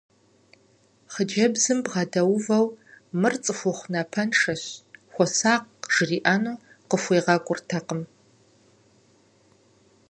Хъыджэбзым бгъэдэувэу мыр цӏыхухъу напэншэщ, хуэсакъ жриӏэну къыхуегъэкӏуртэкъым…